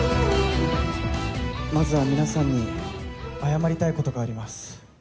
まずは皆さんに謝りたいことがあります。